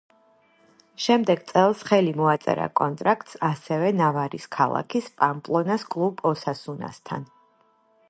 შემდეგ წელს ხელი მოაწერა კონტრაქტს ასევე ნავარის ქალაქის, პამპლონას კლუბ „ოსასუნასთან“.